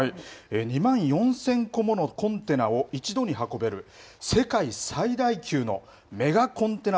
２万４０００個ものコンテナを一度に運べる世界最大級のメガコンテナ